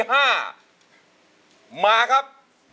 มาครับ